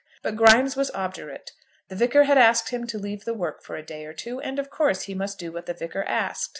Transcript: But Grimes was obdurate. The Vicar had asked him to leave the work for a day or two, and of course he must do what the Vicar asked.